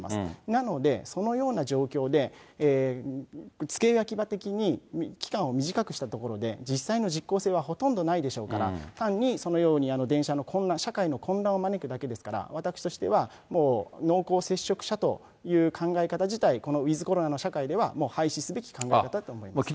なので、そのような状況で付け焼き刃的に期間を短くしたところで、実際の実効性はほとんどないでしょうから、単にそのように社会の混乱を招くだけですから、私としては濃厚接触者という考え方自体、このウィズコロナの社会ではもう廃止すべき考え方だと思います。